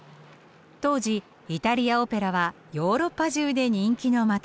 当時イタリアオペラはヨーロッパ中で人気の的。